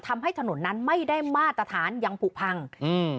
ทำให้ถนนนั้นไม่ได้มาตรฐานยังผูกพังอืม